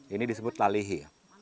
ini disebut lalihi